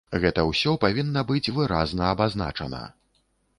Гэта ўсё павінна быць выразна абазначана.